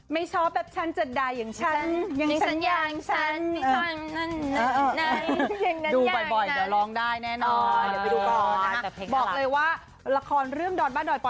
พี่ออฟสุภนัทร้องฟิเจอร์ริ่งกับใครรู้ไหม